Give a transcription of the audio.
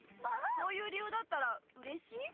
そういう理由だったらうれしい？